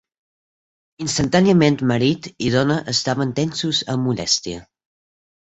Instantàniament marit i dona estaven tensos amb molèstia.